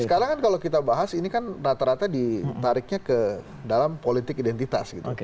sekarang kan kalau kita bahas ini kan rata rata ditariknya ke dalam politik identitas gitu